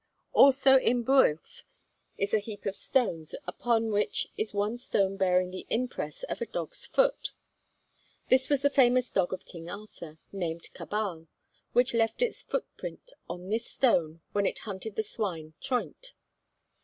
Also in Builth is a heap of stones, upon which is one stone bearing the impress of a dog's foot. This was the famous dog of King Arthur, named Cabal, which left its footprint on this stone when it hunted the swine Troynt.